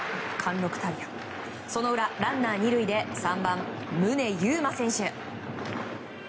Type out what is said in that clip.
その裏、ランナー２塁で３番、宗佑磨選手。